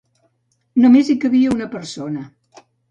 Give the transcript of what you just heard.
Només hi cabia una persona.